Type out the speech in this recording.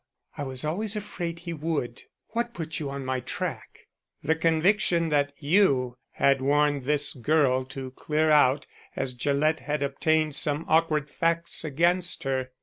"I was always afraid he would. What put you on my track?" "The conviction that you had warned this girl to clear out as Gillett had obtained some awkward facts against her.